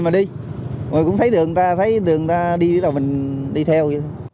mà cũng thấy đường ta đi đường mình đi theo